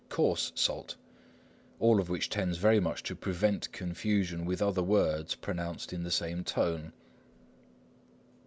_ "coarse salt"; all of which tends very much to prevent confusion with other words pronounced in the same tone.